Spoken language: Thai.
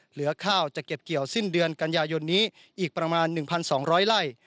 เหลือข้าวจะเก็บเกี่ยวสิ้นเดือนกันยายนนี้อีกประมาณ๑๒๐๐ไร่